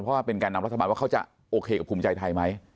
เพราะว่าเป็นแก่นำรัฐบาลว่าเขาจะโอเคกับภูมิใจไทยไหม